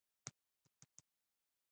هولمز د هغه بدرنګې خولې ته وکتل او ویې ویل